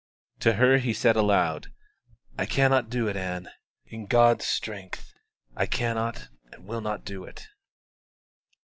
To her he said aloud: "I cannot do it, Ann. In God's strength I cannot and will not do it."